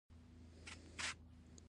سهار د خوښۍ څاڅکي دي.